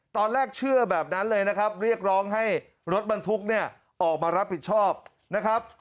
ตอนแรกเชื่อแบบนั้นเลยนะครับเรียกร้องให้รถบรรทุกเนี่ยออกมารับผิดชอบนะครับ